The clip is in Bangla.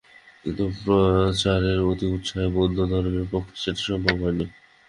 কিন্তু প্রচারের অতি উৎসাহে বৌদ্ধধর্মের পক্ষে সেটি সম্ভব হয় নাই।